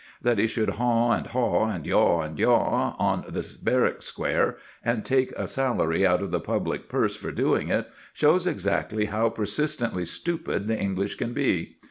That he should haw and haw, and yaw and yaw, on the barrack square, and take a salary out of the public purse for doing it, shows exactly how persistently stupid the English can be.